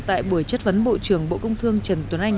tại buổi chất vấn bộ trưởng bộ công thương trần tuấn anh